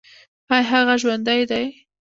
ایا هغه ژوندی دی؟